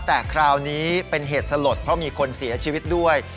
แต่คราวนี้เป็นเหตุสลดเพราะมีคนเสียชีวิตด้วย